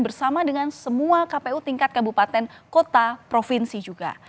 bersama dengan semua kpu tingkat kabupaten kota provinsi juga